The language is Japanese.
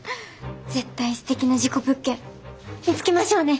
絶対すてきな事故物件見つけましょうね。